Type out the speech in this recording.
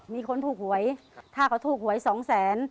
มีคนถูกหวยถ้าเขาถูกหวยสองแสน